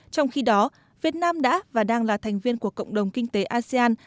trong khi đó việt nam đã và đang là thành viên của cộng đồng kinh tế asean